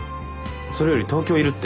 それより東京いるって。